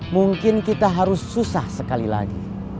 mungkin kita harus susah sekali lagi